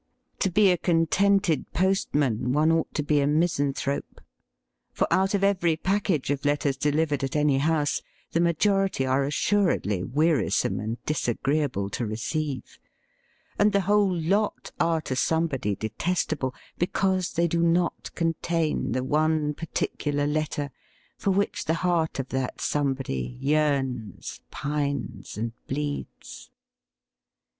To be a contented postman one A LETTER AND A MEETING 177 ought to be a misanthrope. For out of every package of letters delivered at any house the majority are assuredly wearisome and disagreeable to receive, and the whole lot are to somebody detestable because they do not contain the one particular letter for which the heart of that some body yearns, pines, and bleeds.